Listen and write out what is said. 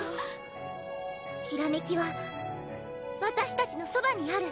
きらめきは私たちのそばにある。